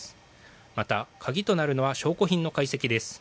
また、鍵となるのは証拠品の解析です。